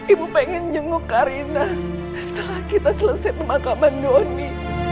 ibu pengen jenguk karina setelah kita selesai pemakaman doni